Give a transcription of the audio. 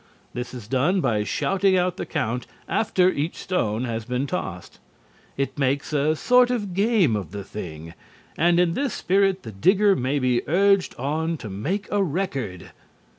This is done by shouting out the count after each stone has been tossed. It makes a sort of game of the thing, and in this spirit the digger may be urged on to make a record.